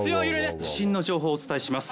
地震の情報をお伝えします